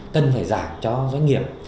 cần phải giảng cho doanh nghiệp